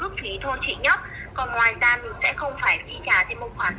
thôi chị nhớ